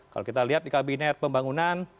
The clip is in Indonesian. kalau kita lihat di kabinet pembangunan